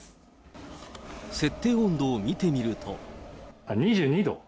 設定温度を見てみると。